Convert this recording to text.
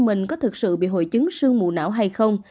mình có thực sự bị hội chứng sương mù não hay không